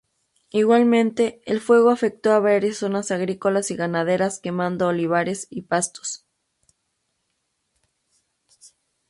Igualmente, el fuego afectó a varias zonas agrícolas y ganaderas, quemando olivares y pastos.